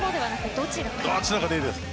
どちらかでいいです。